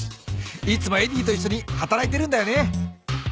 いつもエディといっしょにはたらいてるんだよね。